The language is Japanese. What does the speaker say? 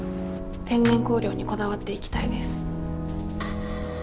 天然香料にこだわっていきたいです。